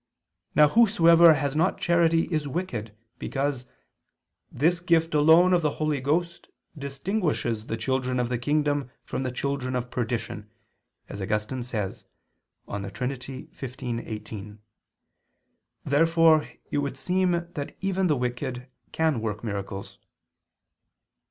Now whosoever has not charity is wicked, because "this gift alone of the Holy Ghost distinguishes the children of the kingdom from the children of perdition," as Augustine says (De Trin. xv, 18). Therefore it would seem that even the wicked can work miracles.